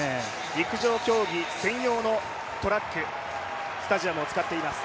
陸上競技専用のトラック、スタジアムを使っています。